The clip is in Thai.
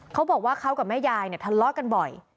เขาบอกว่าเขากับแม่ยายเนี่ยทะเลาะกันบ่อย